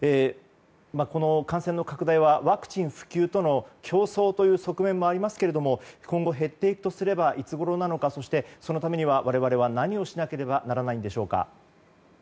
この感染拡大はワクチン普及との競争という側面もありますが今後減っていくとすればいつごろなのかそして、そのためには我々は何をしなければならないんでしょうか？